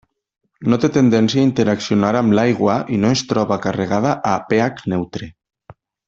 No té tendència a interaccionar amb l'aigua i no es troba carregada a pH neutre.